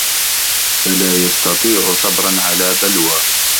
فَلَا يَسْتَطِيعُ صَبْرًا عَلَى بَلْوَى